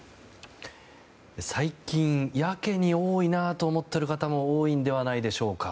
最近、やけに多いなと思っている方も多いんではないでしょうか。